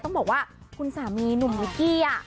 ต้องบอกว่าคุณสามีหนุ่มมิกกี้